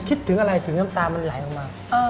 คิดถึงอะไรถึงน้ำตามันไหลออกมา